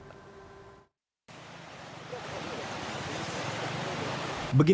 bupati berjanji secepatnya membangun jembatan agar desa tidak lagi terisolir